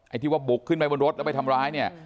ที่ว่าบุกขึ้นไปบนรถแล้วไปทำร้ายเนี่ย